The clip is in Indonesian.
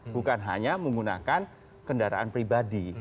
bukan hanya menggunakan kendaraan pribadi